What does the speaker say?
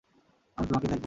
আমি তোমাকে দেখব।